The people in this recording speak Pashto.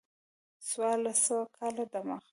څوارلس سوه کاله د مخه.